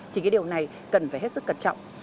thì điều này cần phải hết sức cẩn trọng